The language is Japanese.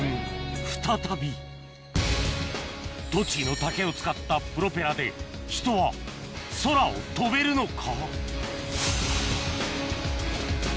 再び栃木の竹を使ったプロペラで人は空を飛べるのか？